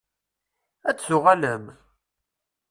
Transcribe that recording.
Ad d-tuɣalem?